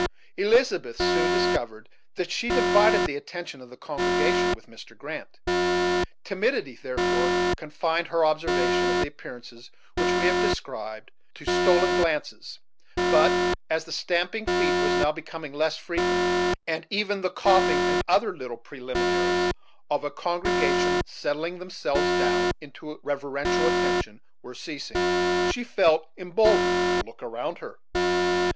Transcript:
Elizabeth soon discovered that she divided the attention of the congregation with Mr. Grant. Timidity, therefore, confined her observation of the appearances which we have described to stoles glances; but, as the stamping of feet was now becoming less frequent, and even the coughing, and other little preliminaries of a congregation settling themselves down into reverential attention, were ceasing, she felt emboldened to look around her.